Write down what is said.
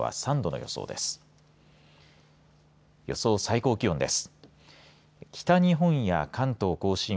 予想最低気温です。